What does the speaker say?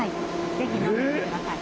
ぜひ飲んでみてください。